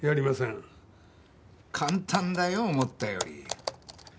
簡単だよ思ったより。